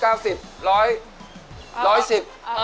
อันนี้